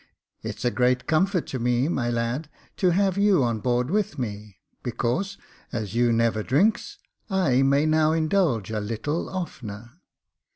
It's a great comfort to me, my lad, to have you on board with me, because, as you never drinks, I may now indulge a little oftener.